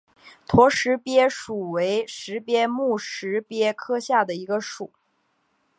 驼石鳖属为石鳖目石鳖科下的一个属。